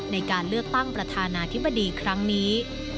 ในการเลือกตั้งประธานาธิบดีครั้งนี้